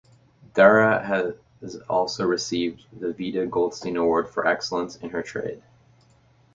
Dara has also received the Vida Goldstein Award for excellence in her trade.